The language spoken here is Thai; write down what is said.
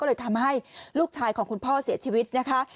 ก็เลยทำให้ลูกชายของคุณพ่อเสียชีวิตนะคะ